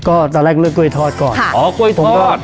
ก็ตอนแรกเลือกกล้วยทอดก่อนอ๋อกล้วยถงทอด